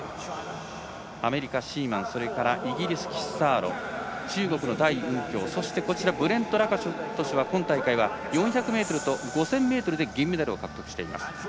アメリカのシーマンイギリスのキッサーロ中国の代雲強ブレント・ラカトシュ選手は今大会は４００ｍと５０００ｍで銀メダルを獲得します。